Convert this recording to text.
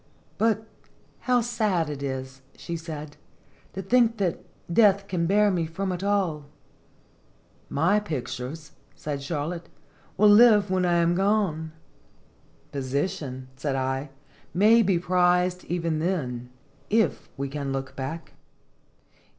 "But how sad it is," she said, "to think that death can bear me from it all." " My pictures," said Charlotte, "will live when I am gone." "Position," said I, "may be prized even then, if we can look back."